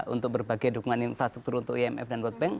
untuk berbagai dukungan infrastruktur untuk imf dan world bank